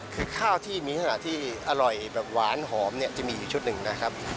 คือข้าวที่มีขนาดที่อร่อยแบบหวานหอมจะมีอีกชุดหนึ่งนะครับ